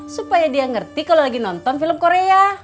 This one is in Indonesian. supaya dia ngerti kalau lagi nonton film korea